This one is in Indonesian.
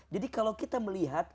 jadi kalau kita melihat